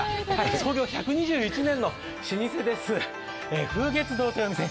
創業１２１年の老舗です、風月堂というお店。